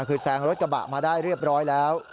คือแซงรถกระบะมาได้เรียบร้อยแล้ว